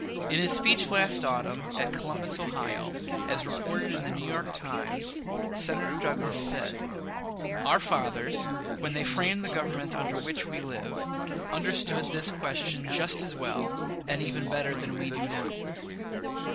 In his speech last autumn at Columbus, Ohio, as reported in the New York Times, Senator Douglas said: "Our fathers, when they framed the Government under which we live, understood this question just as well, and even better than we do now."